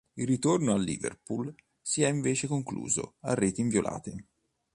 Il ritorno a Liverpool si è invece concluso a reti inviolate.